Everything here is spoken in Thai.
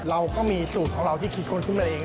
เราก็มีสูตรของเราที่คิดควรซึ่งเป็นอะไรเอง